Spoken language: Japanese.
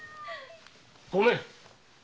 ごめん。